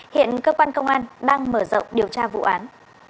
hiện cơ quan công an đang mở rộng điều tra vụ án